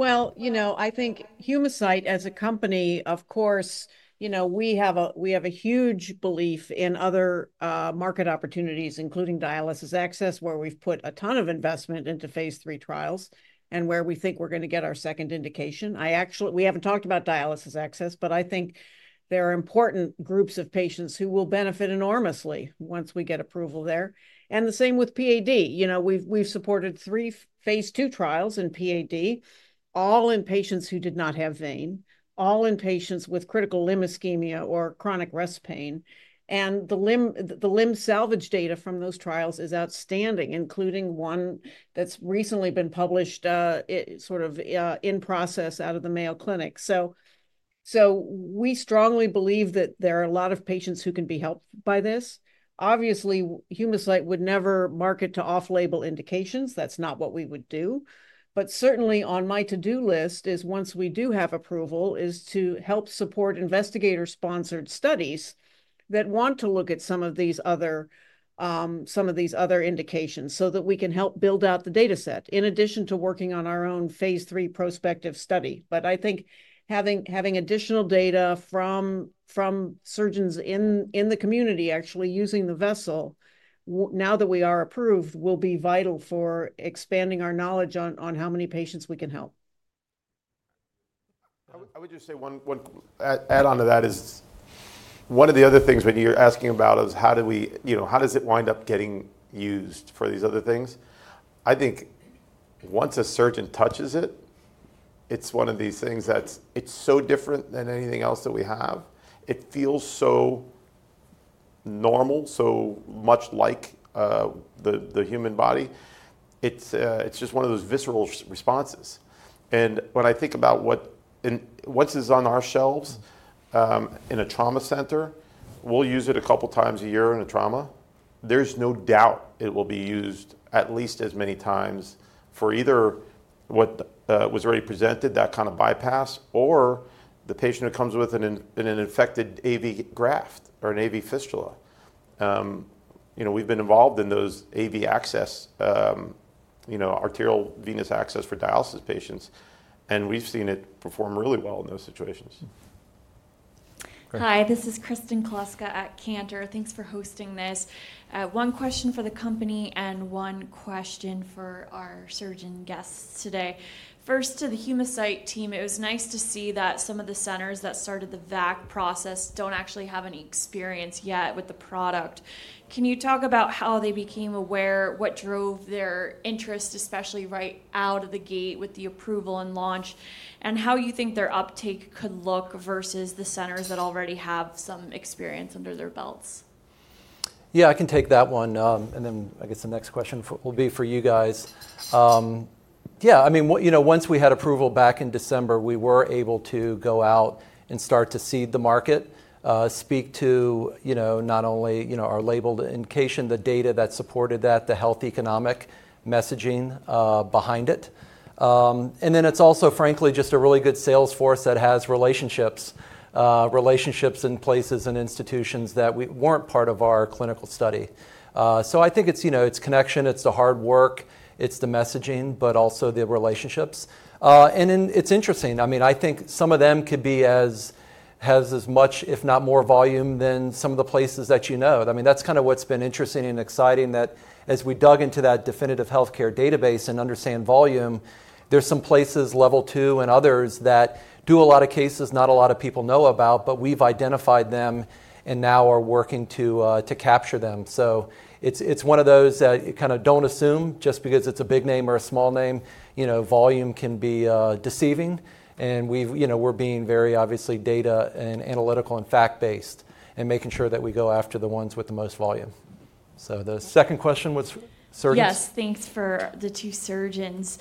I think Humacyte as a company, of course, you know, we have a huge belief in other market opportunities, including dialysis access, where we've put a ton of investment into phase three trials and where we think we're going to get our second indication. We haven't talked about dialysis access, but I think there are important groups of patients who will benefit enormously once we get approval there. The same with PAD. You know, we've supported three phase two trials in PAD, all in patients who did not have vein, all in patients with critical limb ischemia or chronic rest pain. The limb salvage data from those trials is outstanding, including one that's recently been published sort of in process out of the Mayo Clinic. We strongly believe that there are a lot of patients who can be helped by this. Obviously, Humacyte would never market to off-label indications. That's not what we would do. Certainly on my to-do list is once we do have approval, is to help support investigator-sponsored studies that want to look at some of these other, some of these other indications so that we can help build out the dataset in addition to working on our own phase three prospective study. I think having additional data from surgeons in the community actually using the vessel now that we are approved will be vital for expanding our knowledge on how many patients we can help. I would just say one add-on to that is one of the other things when you're asking about is how do we, you know, how does it wind up getting used for these other things? I think once a surgeon touches it, it's one of these things that it's so different than anything else that we have. It feels so normal, so much like the human body. It's just one of those visceral responses. When I think about what is on our shelves in a trauma center, we'll use it a couple of times a year in a trauma. There's no doubt it will be used at least as many times for either what was already presented, that kind of bypass, or the patient who comes with an infected AV graft or an AV fistula. You know, we've been involved in those AV access, you know, arterial venous access for dialysis patients. And we've seen it perform really well in those situations. Hi, this is Kristen Kluska at Cantor. Thanks for hosting this. One question for the company and one question for our surgeon guests today. First, to the Humacyte team, it was nice to see that some of the centers that started the VAC process do not actually have any experience yet with the product. Can you talk about how they became aware, what drove their interest, especially right out of the gate with the approval and launch, and how you think their uptake could look versus the centers that already have some experience under their belts? Yeah, I can take that one. I guess the next question will be for you guys. Yeah, I mean, you know, once we had approval back in December, we were able to go out and start to seed the market, speak to, you know, not only, you know, our label indication, the data that supported that, the health economic messaging behind it. It's also, frankly, just a really good sales force that has relationships, relationships in places and institutions that weren't part of our clinical study. I think it's, you know, it's connection, it's the hard work, it's the messaging, but also the relationships. It's interesting. I mean, I think some of them could be as, has as much, if not more volume than some of the places that you know. I mean, that's kind of what's been interesting and exciting that as we dug into that Definitive Healthcare database and understand volume, there's some places Level II and others that do a lot of cases not a lot of people know about, but we've identified them and now are working to capture them. It's one of those that you kind of don't assume just because it's a big name or a small name, you know, volume can be deceiving. We've, you know, we're being very obviously data and analytical and fact-based and making sure that we go after the ones with the most volume. The second question was surgeons. Yes, thanks for the two surgeons.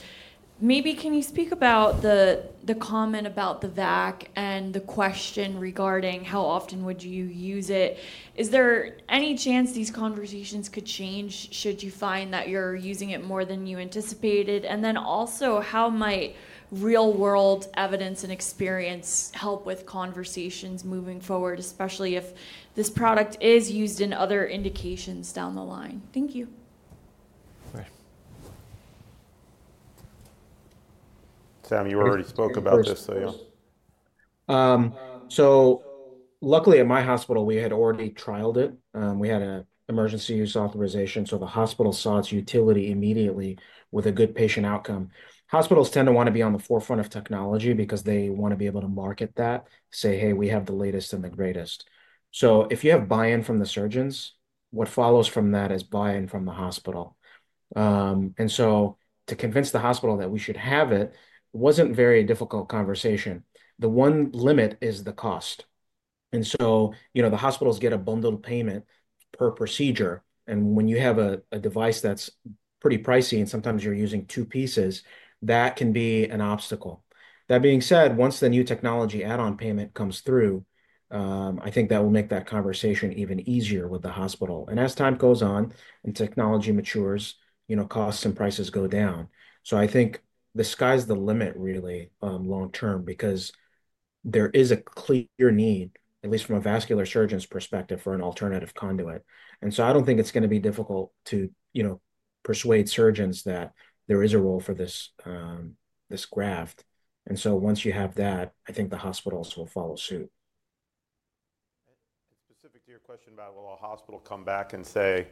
Maybe can you speak about the comment about the VAC and the question regarding how often would you use it? Is there any chance these conversations could change should you find that you're using it more than you anticipated? Also, how might real-world evidence and experience help with conversations moving forward, especially if this product is used in other indications down the line? Thank you. Sam, you already spoke about this, so yeah. Luckily at my hospital, we had already trialed it. We had an Emergency Use Authorization. The hospital saw its utility immediately with a good patient outcome. Hospitals tend to want to be on the forefront of technology because they want to be able to market that, say, "Hey, we have the latest and the greatest." If you have buy-in from the surgeons, what follows from that is buy-in from the hospital. To convince the hospital that we should have it wasn't a very difficult conversation. The one limit is the cost. You know, the hospitals get a bundled payment per procedure. When you have a device that's pretty pricey and sometimes you're using two pieces, that can be an obstacle. That being said, once the New Technology Add-On Payment comes through, I think that will make that conversation even easier with the hospital. As time goes on and technology matures, you know, costs and prices go down. I think the sky's the limit really long-term because there is a clear need, at least from a vascular surgeon's perspective, for an alternative conduit. I don't think it's going to be difficult to, you know, persuade surgeons that there is a role for this graft. Once you have that, I think the hospitals will follow suit. Specific to your question about, will a hospital come back and say,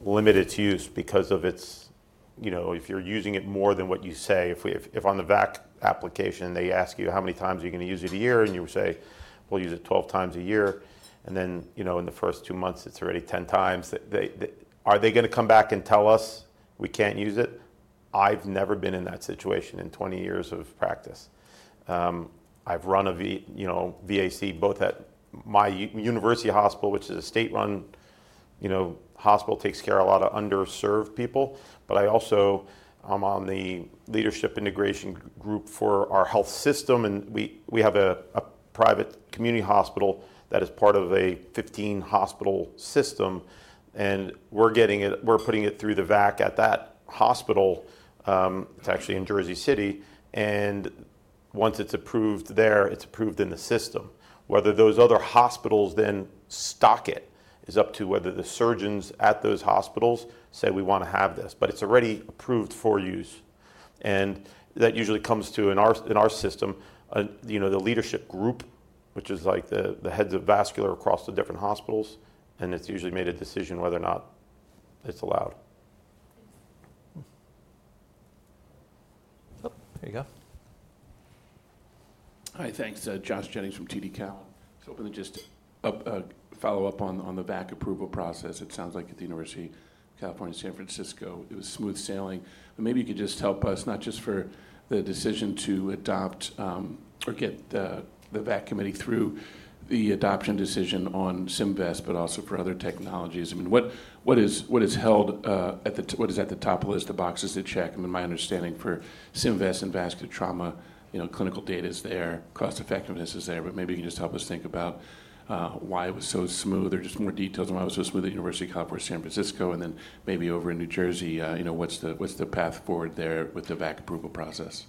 "Limit its use because of its, you know, if you're using it more than what you say?" If on the VAC application, they ask you, "How many times are you going to use it a year?" and you say, "We'll use it 12 times a year." And then, you know, in the first two months, it's already 10 times. Are they going to come back and tell us, "We can't use it?" I've never been in that situation in 20 years of practice. I've run a VAC both at my university hospital, which is a state-run, you know, hospital that takes care of a lot of underserved people. I also am on the leadership integration group for our health system. We have a private community hospital that is part of a 15-hospital system. We're getting it, we're putting it through the VAC at that hospital. It's actually in Jersey City. Once it's approved there, it's approved in the system. Whether those other hospitals then stock it is up to whether the surgeons at those hospitals say, "We want to have this," but it's already approved for use. That usually comes to, in our system, you know, the leadership group, which is like the heads of vascular across the different hospitals, and it's usually made a decision whether or not it's allowed. There you go. Hi, thanks. Josh Jennings from TD Cowen. Just hoping to just follow up on the VAC approval process. It sounds like at the University of California, San Francisco, it was smooth sailing. Maybe you could just help us, not just for the decision to adopt or get the VAC committee through the adoption decision on Symvess, but also for other technologies. I mean, what is held, what is at the top of the list of boxes to check? I mean, my understanding for Symvess and vascular trauma, you know, clinical data is there, cost-effectiveness is there, but maybe you can just help us think about why it was so smooth or just more details on why it was so smooth at University of California, San Francisco, and then maybe over in New Jersey, you know, what's the path forward there with the VAC approval process?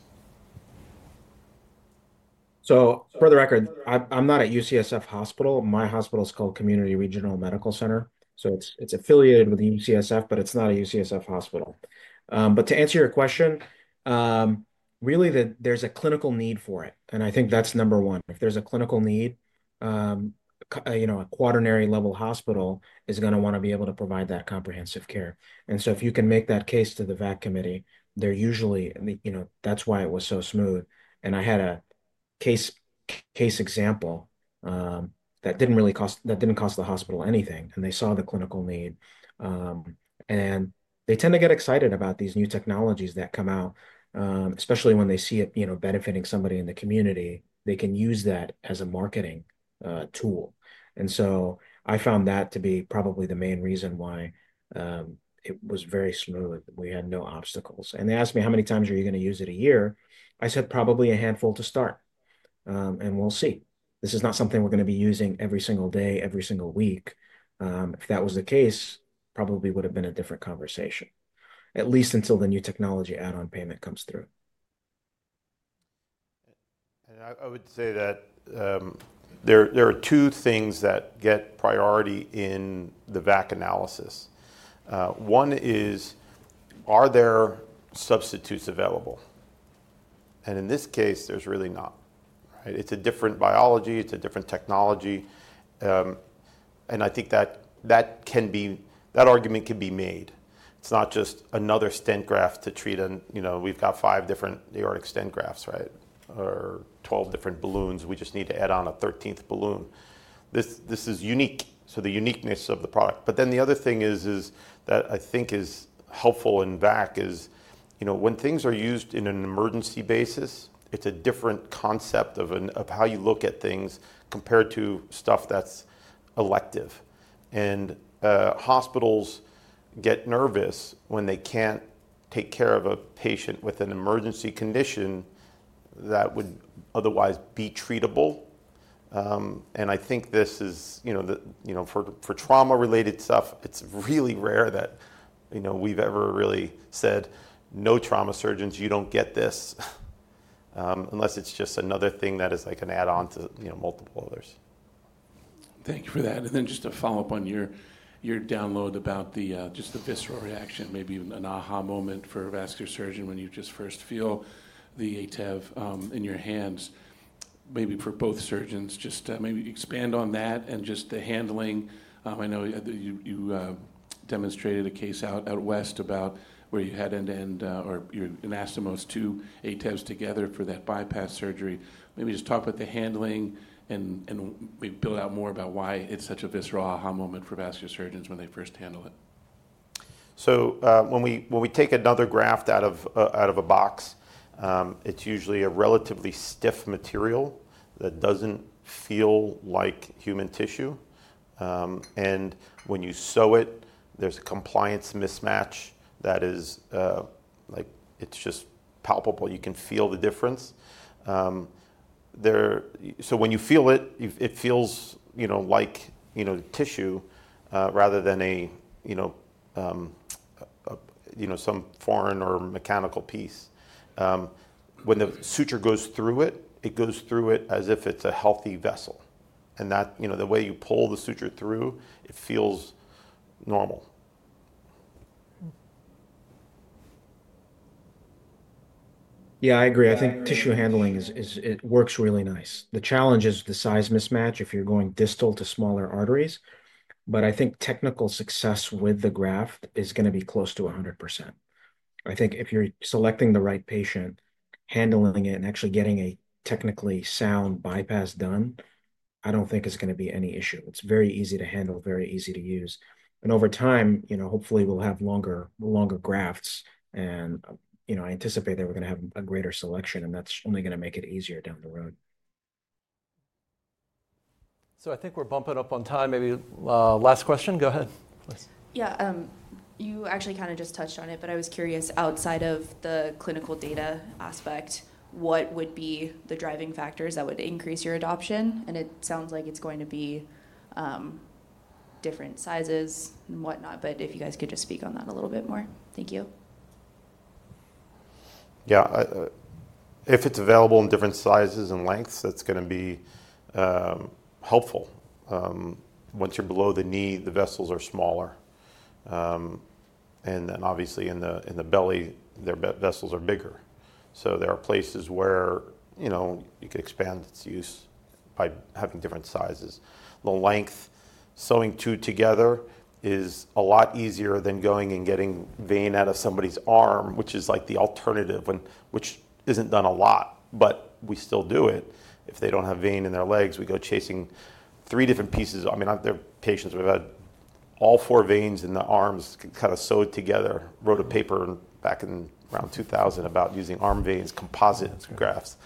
For the record, I'm not at UCSF Hospital. My hospital is called Community Regional Medical Center. It's affiliated with UCSF, but it's not a UCSF hospital. To answer your question, really there's a clinical need for it. I think that's number one. If there's a clinical need, you know, a quaternary level hospital is going to want to be able to provide that comprehensive care. If you can make that case to the VAC committee, they're usually, you know, that's why it was so smooth. I had a case example that didn't really cost, that didn't cost the hospital anything. They saw the clinical need. They tend to get excited about these new technologies that come out, especially when they see it, you know, benefiting somebody in the community. They can use that as a marketing tool. I found that to be probably the main reason why it was very smooth. We had no obstacles. They asked me, "How many times are you going to use it a year?" I said, "Probably a handful to start." We will see. This is not something we are going to be using every single day, every single week. If that was the case, probably would have been a different conversation, at least until the New Technology Add-On Payment comes through. I would say that there are two things that get priority in the VAC analysis. One is, are there substitutes available? In this case, there's really not, right? It's a different biology. It's a different technology. I think that that can be, that argument can be made. It's not just another stent graft to treat an, you know, we've got five different aortic stent grafts, right? Or 12 different balloons. We just need to add on a 13th balloon. This is unique. The uniqueness of the product. The other thing is that I think is helpful in VAC is, you know, when things are used in an emergency basis, it's a different concept of how you look at things compared to stuff that's elective. Hospitals get nervous when they can't take care of a patient with an emergency condition that would otherwise be treatable. I think this is, you know, for trauma-related stuff, it's really rare that, you know, we've ever really said, "No trauma surgeons, you don't get this," unless it's just another thing that is like an add-on to, you know, multiple others. Thank you for that. Just to follow up on your download about just the visceral reaction, maybe an aha moment for a vascular surgeon when you just first feel the ATEV in your hands, maybe for both surgeons, just maybe expand on that and just the handling. I know you demonstrated a case out west about where you had end-to-end or you anastomosed two ATEVs together for that bypass surgery. Maybe just talk about the handling and maybe build out more about why it's such a visceral aha moment for vascular surgeons when they first handle it. When we take another graft out of a box, it's usually a relatively stiff material that doesn't feel like human tissue. And when you sew it, there's a compliance mismatch that is like it's just palpable. You can feel the difference. When you feel it, it feels, you know, like, you know, tissue rather than a, you know, you know, some foreign or mechanical piece. When the suture goes through it, it goes through it as if it's a healthy vessel. And that, you know, the way you pull the suture through, it feels normal. Yeah, I agree. I think tissue handling works really nice. The challenge is the size mismatch if you're going distal to smaller arteries. I think technical success with the graft is going to be close to 100%. I think if you're selecting the right patient, handling it, and actually getting a technically sound bypass done, I don't think it's going to be any issue. It's very easy to handle, very easy to use. Over time, you know, hopefully we'll have longer grafts. You know, I anticipate that we're going to have a greater selection, and that's only going to make it easier down the road. I think we're bumping up on time. Maybe last question. Go ahead. Yeah, you actually kind of just touched on it, but I was curious outside of the clinical data aspect, what would be the driving factors that would increase your adoption? It sounds like it is going to be different sizes and whatnot, but if you guys could just speak on that a little bit more. Thank you. Yeah, if it's available in different sizes and lengths, that's going to be helpful. Once you're below the knee, the vessels are smaller. Obviously in the belly, their vessels are bigger. There are places where, you know, you could expand its use by having different sizes. The length, sewing two together is a lot easier than going and getting vein out of somebody's arm, which is like the alternative, which isn't done a lot, but we still do it. If they don't have vein in their legs, we go chasing three different pieces. I mean, there are patients who have had all four veins in the arms kind of sewed together, wrote a paper back in around 2000 about using arm veins composite grafts.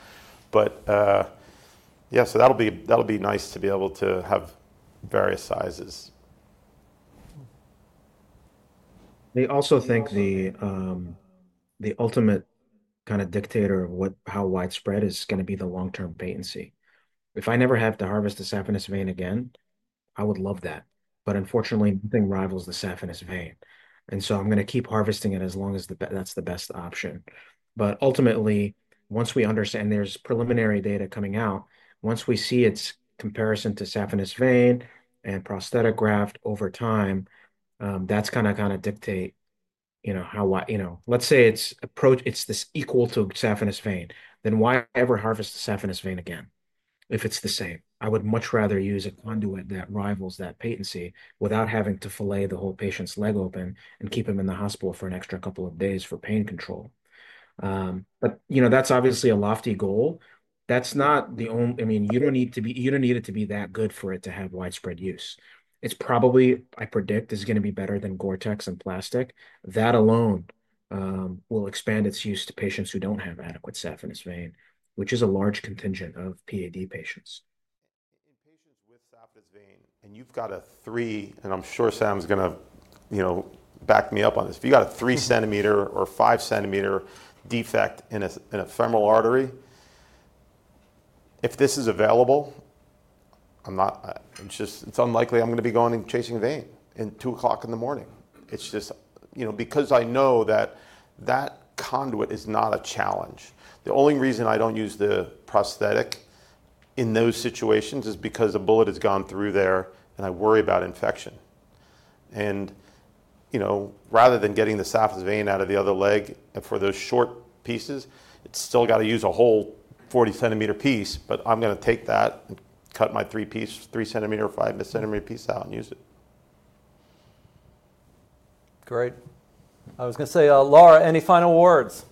Yeah, so that'll be nice to be able to have various sizes. They also think the ultimate kind of dictator of how widespread is going to be the long-term patency. If I never have to harvest the saphenous vein again, I would love that. Unfortunately, nothing rivals the saphenous vein. I am going to keep harvesting it as long as that's the best option. Ultimately, once we understand there's preliminary data coming out, once we see its comparison to saphenous vein and prosthetic graft over time, that's kind of going to dictate, you know, how, you know, let's say it's equal to saphenous vein, then why ever harvest the saphenous vein again if it's the same? I would much rather use a conduit that rivals that patency without having to fillet the whole patient's leg open and keep them in the hospital for an extra couple of days for pain control. You know, that's obviously a lofty goal. That's not the only, I mean, you don't need to be, you don't need it to be that good for it to have widespread use. It's probably, I predict, is going to be better than GORE-TEX and plastic. That alone will expand its use to patients who don't have adequate saphenous vein, which is a large contingent of PAD patients. In patients with saphenous vein, and you've got a three, and I'm sure Sam's going to, you know, back me up on this. If you've got a 3 cm or 5 cm defect in a femoral artery, if this is available, I'm not, it's just, it's unlikely I'm going to be going and chasing a vein at 2:00 A.M. It's just, you know, because I know that that conduit is not a challenge. The only reason I don't use the prosthetic in those situations is because a bullet has gone through there and I worry about infection. You know, rather than getting the saphenous vein out of the other leg for those short pieces, it's still got to use a whole 40 cm piece, but I'm going to take that and cut my three-piece, 3 cm or 5 cm piece out and use it. Great. I was going to say, Laura, any final words?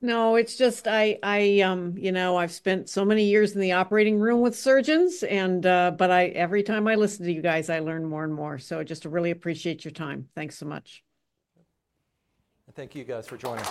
No, it's just, I, you know, I've spent so many years in the operating room with surgeons, and, but I, every time I listen to you guys, I learn more and more. Just really appreciate your time. Thanks so much. Thank you guys for joining.